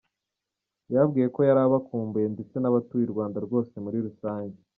Yababwiye ko yari abakumbuye ndetse n’abatuye u Rwanda rwose muri rusange.